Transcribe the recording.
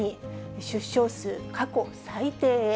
出生数、過去最低へ。